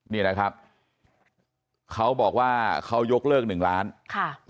นี่นะครับเขาบอกว่าเขายกเลิกหนึ่งล้านค่ะ